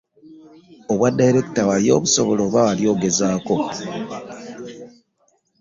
Obwa Direkita wali obusobola oba wali ogezaako?